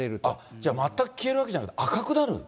じゃあ、全く消えるわけじゃなくて、赤くなる。